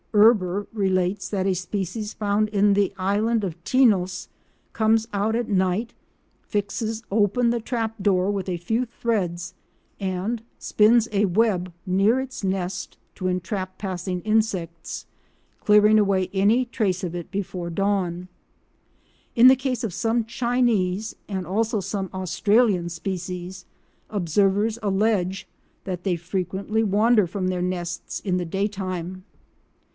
Erber relates that a species found in the island of Tinos comes out at night, fixes open the trap door with a few threads, and spins a web near its nest to entrap passing insects, clearing away any trace of it before the dawn. In the case of some Chinese and also some Australian species observers allege that they frequently wander from their nests in the day time.